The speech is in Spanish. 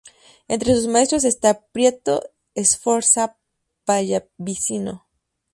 Entre sus maestros está Pietro Sforza Pallavicino.